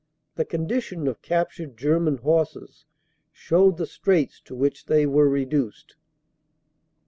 The condition of captured German horses showed the straits to which they were reduced.